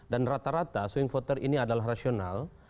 dan rata rata swing voter ini adalah rasional